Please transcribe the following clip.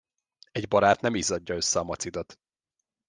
Egy barát nem izzadja össze a macidat.